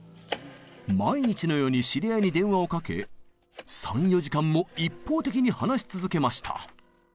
毎日のように知り合いに電話をかけ３４時間も一方的に話し続けました。